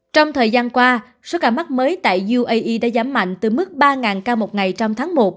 trong thời gian qua số ca mắc mới tại uae đã giảm mạnh từ mức ba ca một ngày trong tháng một